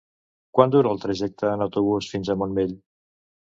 Quant dura el trajecte en autobús fins al Montmell?